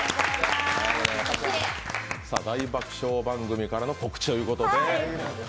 大爆笑番組からの告知ということで。